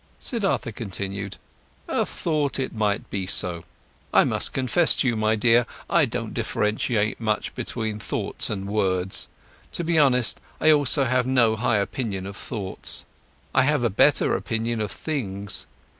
Siddhartha continued: "A thought, it might be so. I must confess to you, my dear: I don't differentiate much between thoughts and words. To be honest, I also have no high opinion of thoughts. I have a better opinion of things.